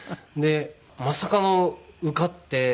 でまさかの受かって。